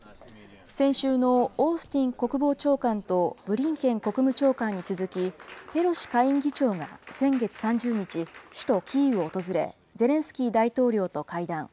先週のオースティン国防長官とブリンケン国務長官に続き、ペロシ下院議長が先月３０日、首都キーウを訪れ、ゼレンスキー大統領と会談。